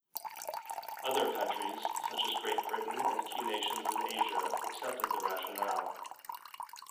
Other countries, such as Great Britain and key nations in Asia, accepted the rationale.